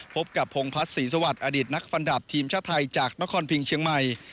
พบกับพงพัฒนศรีสวัสดิ์อดีตนักฟันดับทีมชาติไทยจากนครพิงเชียงใหม่